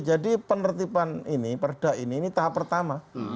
jadi penertiban ini perda ini ini tahap pertama